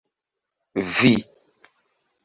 vi